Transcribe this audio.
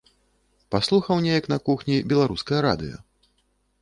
Паслухаў неяк на кухні беларускае радыё.